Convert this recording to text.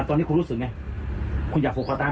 อ่ะเมื่อกี้คุณบอกว่าคุณอยากผูกคอตาย